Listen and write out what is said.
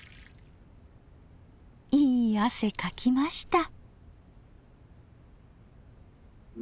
いい汗かきました。